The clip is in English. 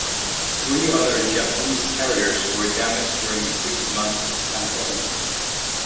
Three other Japanese carriers were damaged during the six-month campaign.